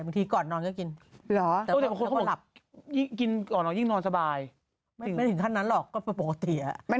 บางทีก่อนนอนก็กิน